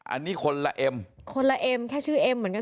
อันนี้คนละเอ็มคนละเอ็มแค่ชื่อเอ็มเหมือนกัน